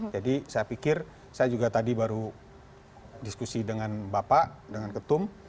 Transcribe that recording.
saya pikir saya juga tadi baru diskusi dengan bapak dengan ketum